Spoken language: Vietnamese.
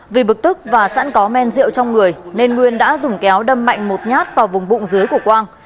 vì bực tức và sẵn có men rượu trong người nên nguyên đã dùng kéo đâm mạnh một nhát vào vùng bụng dưới của quang